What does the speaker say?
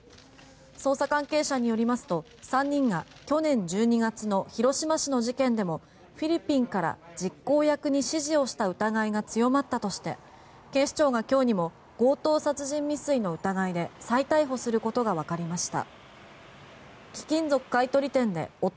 捜査関係者によりますと３人が去年１２月の広島市の事件でもフィリピンから実行役に指示をした疑いが強まったとして警視庁が今日にも強盗殺人未遂の疑いで再逮捕することがわかりました。